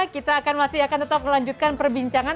kita akan masih akan tetap melanjutkan perbincangan